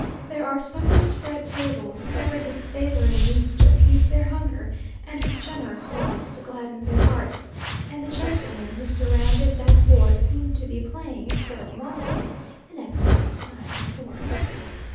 There are supper spread tables, covered with savoury meats to appease their hunger, and with generous wines to gladden their hearts; and the gentlemen who surrounded that board seemed to be playing, instead of Monte, an excellent knife and fork.